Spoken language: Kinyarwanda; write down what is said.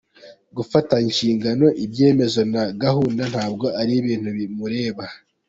Gufata inshingano, ibyemezo na gahunda ntabwo ari ibintu bimureba.